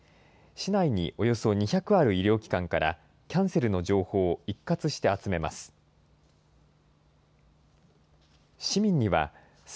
市内におよそ２００ある医療機関から、キャンセルの情報を一括して集めます。